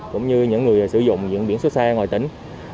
cũng như những người sử dụng những biển xuất xe ngoại tỉnh